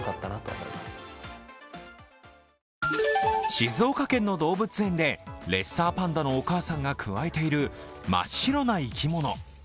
静岡県の動物園でレッサーパンダのお母さんがくわえている真っ白な生き物。